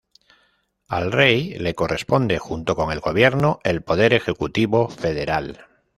Al rey le corresponde, junto con el Gobierno, el poder ejecutivo federal.